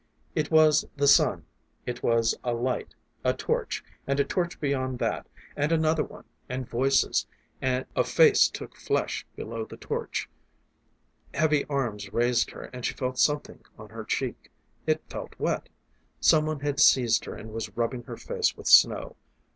It was the sun, it was a light; a torch, and a torch beyond that, and another one, and voices; a face took flesh below the torch, heavy arms raised her and she felt something on her cheek it felt wet. Some one had seized her and was rubbing her face with snow.